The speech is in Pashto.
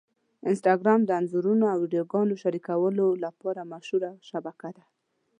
انسټاګرام د انځورونو او ویډیوګانو شریکولو لپاره مشهوره شبکه ده.